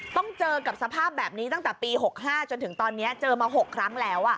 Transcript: ต้องเจอกับสภาพแบบนี้ตั้งแต่ปี๖๕จนถึงตอนนี้เจอมา๖ครั้งแล้ว